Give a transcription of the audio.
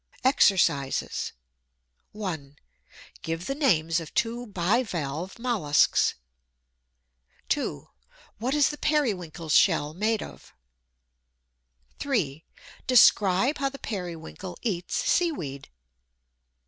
EXERCISES 1. Give the names of two bi valve molluscs. 2. What is the Periwinkle's shell made of? 3. Describe how the Periwinkle eats seaweed.